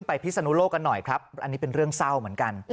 พิศนุโลกกันหน่อยครับอันนี้เป็นเรื่องเศร้าเหมือนกัน